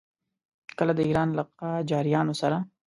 کله د ایران له قاجاریانو سره.